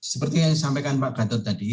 seperti yang disampaikan pak gatot tadi